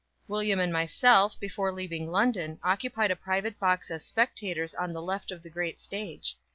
William and myself before leaving London occupied a private box as spectators on the left of the great stage.